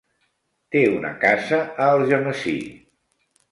Té una casa a Algemesí.